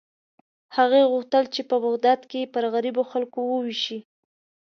هغې غوښتل چې په بغداد کې یې پر غریبو خلکو ووېشي.